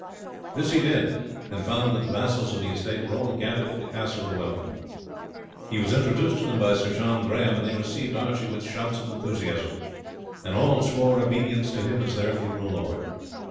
This he did, and found that the vassals of the estate were all gathered at the castle to welcome him. He was introduced to them by Sir John Grahame, and they received Archie with shouts of enthusiasm, and all swore obedience to him as their feudal lord.